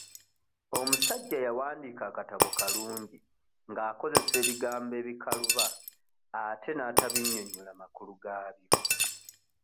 Omusajja yawandiika akatabo kalungi ng'akozesa ebigambo ebikaluba ate n'atabinnyonyola makulu gaabyo.